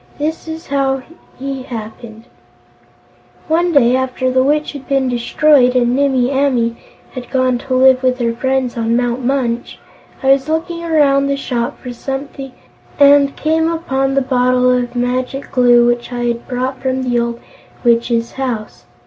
This is how he happened: "One day, after the Witch had been destroyed and Nimmie Amee had gone to live with her friends on Mount Munch, I was looking around the shop for something and came upon the bottle of Magic Glue which I had brought from the old Witch's house.